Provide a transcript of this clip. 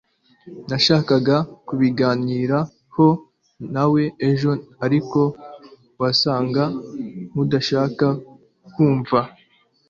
Nashakaga kubiganiraho nawe ejo ariko wasaga nkudashaka kumva